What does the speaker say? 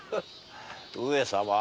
上様。